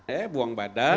ya buang badan